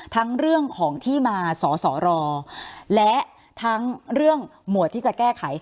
ทั้งเรื่องของที่มาสอสอรอและทั้งเรื่องหมวดที่จะแก้ไข